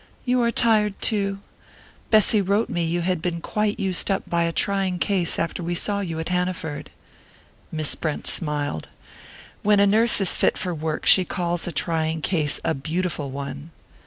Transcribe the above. "You are tired too? Bessy wrote me you had been quite used up by a trying case after we saw you at Hanaford." Miss Brent smiled. "When a nurse is fit for work she calls a trying case a 'beautiful' one."